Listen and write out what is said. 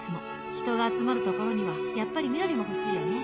「人が集まるところにはやっぱり緑もほしいよね」